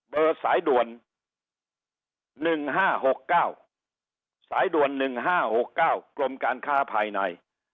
เบอร์สายด่วนหนึ่งห้าหกเก้าสายด่วนหนึ่งห้าหกเก้ากรมการค้าภายใน